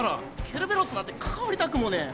ケルベロスなんて関わりたくもねえ。